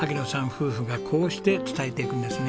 夫婦がこうして伝えていくんですね。